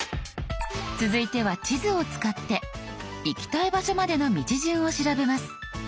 続いては地図を使って行きたい場所までの道順を調べます。